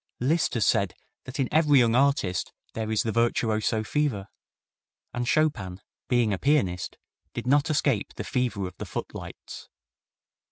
Liszt has said that in every young artist there is the virtuoso fever, and Chopin being a pianist did not escape the fever of the footlights.